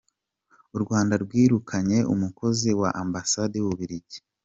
U Rwanda rwirukanye umukozi wa Ambasade y’u Bubiligi